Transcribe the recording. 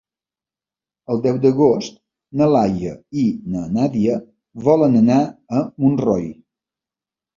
El deu d'agost na Laia i na Nàdia volen anar a Montroi.